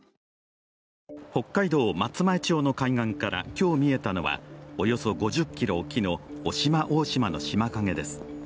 北海道松前町の海岸から今日見えたのはおよそ５０ｋｍ沖の渡島大島の島影です。